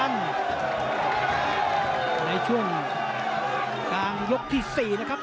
ในช่วงกลางยกที่๔นะครับ